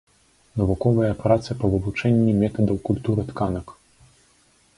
Навуковыя працы па вывучэнні метадаў культуры тканак.